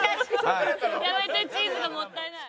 やめてチーズがもったいない。